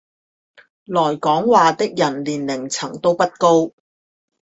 來講話的人年齡層都不高